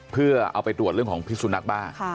เพื่อเอาไปตรวจเรื่องของพิสุนักบ้า